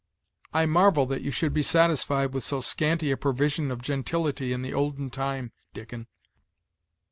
"I marvel that you should be satisfied with so scanty a provision of gentility in the olden time, Dickon.